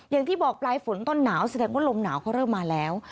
อย่างที่บอกปลายฝนต้นหนาวแสดงว่าลมหนาวเขาเริ่มมาแล้ว